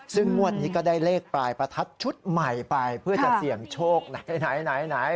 ซึ่งงวดนี้ก็ได้เลขปลายประทัดชุดใหม่ไปเพื่อจะเสี่ยงโชคไหน